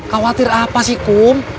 khawatir apa sih kum